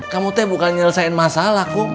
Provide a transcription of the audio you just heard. kamu bukan menyelesaikan masalah kum